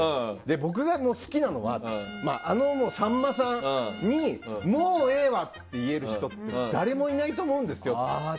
僕が好きなのはあのさんまさんにもうええわ！って言える人って誰もいないと思うんですよ。